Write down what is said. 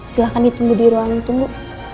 silahkan ditunggu di ruang itu bu